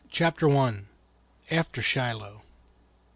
CHAPTER I. AFTER SHILOH.